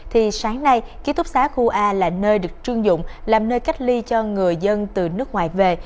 thì sáng nay ký túc xá khu a là nơi được chuyên dụng làm nơi cách ly cho người dân từ nước ngoài về